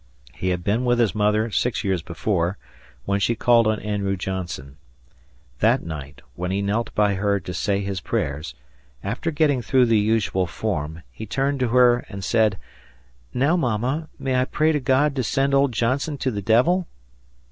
He had been with his mother six years before, when she called on Andrew Johnson. That night, when he knelt by her to say his prayers, after getting through the usual form, he turned to her and said, "Now, mamma, may I pray to God to send old Johnson to the devil?"